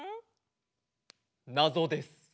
なぞです。